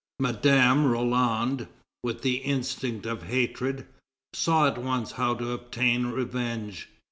Madame Roland, with the instinct of hatred, saw at once how to obtain revenge.